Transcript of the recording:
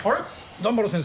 段原先生